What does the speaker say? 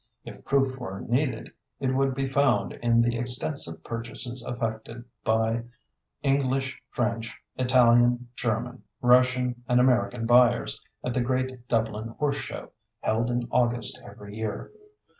If proof were needed, it would be found in the extensive purchases effected by English, French, Italian, German, Russian, and American buyers at the great Dublin Horse Show held in August every year.